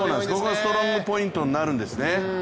ここがストロングポイントになるんですね。